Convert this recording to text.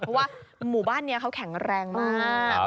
เพราะว่าหมู่บ้านนี้เขาแข็งแรงมาก